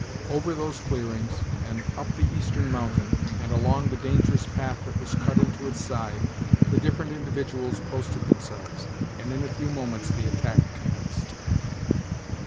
Over those clearings, and up the eastern mountain, and along the dangerous path that was cut into its side, the different individuals posted themselves, and in a few moments the attack commenced.